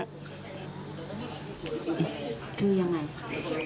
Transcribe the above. คือยังไง